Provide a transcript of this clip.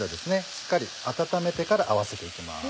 しっかり温めてから合わせていきます。